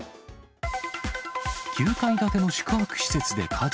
９階建ての宿泊施設で火事。